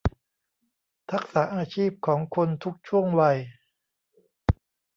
ทักษะอาชีพของคนทุกช่วงวัย